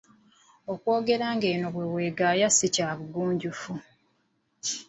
Okw'ogera ng'eno bwe weegaaya, si kya bugunjufu.